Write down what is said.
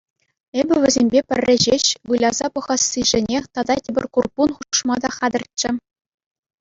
Эпӗ вӗсемпе пӗрре ҫеҫ выляса пӑхассишӗнех тата тепӗр курпун хушма та хатӗрччӗ.